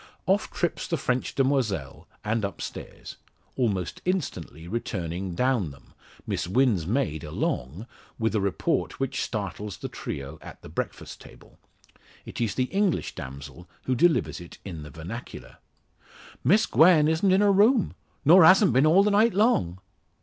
Off trips the French demoiselle, and upstairs; almost instantly returning down them, Miss Wynn's maid along, with a report which startles the trio at the breakfast table. It is the English damsel who delivers it in the vernacular. "Miss Gwen isn't in her room; nor hasn't been all the night long."